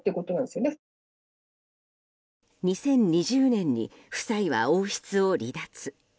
２０２０年に夫妻は王室を離脱。